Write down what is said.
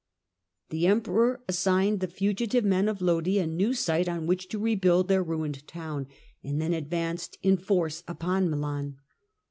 The Emperor assigned the fugitive men of Lodi a new site on which to rebuild their ruined town, and then advanced in force upon Milan.